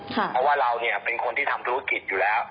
เพราะว่าเราเป็นคนที่ทำธุรกิจอยู่แล้ว